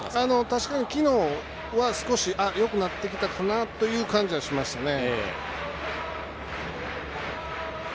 確かに昨日は少しよくなってきたかなという感じはしましたね。